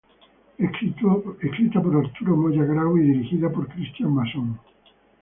Escrita por Arturo Moya Grau y dirigida por Cristián Mason.